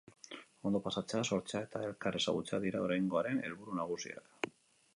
ondo pasatzea, sortzea eta elkar ezagutzea dira oraingoaren helburu nagusiak